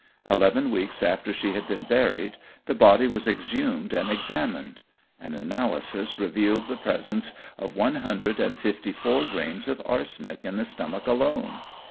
Eleven weeks after she had been buried, the body was exhumed and examined. An analysis revealed the presence of one hundred and fifty four grains of arsenic in the stomach alone.